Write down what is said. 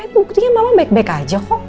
buktinya mama baik baik aja kok